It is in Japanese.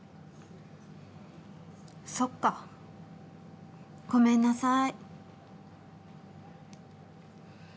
そっかごめんなさーい